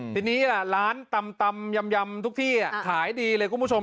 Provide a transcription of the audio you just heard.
ทีนี้ล่ะร้านตำยำทุกที่ขายดีเลยคุณผู้ชม